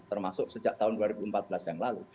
termasuk sejak tahun dua ribu empat belas yang lalu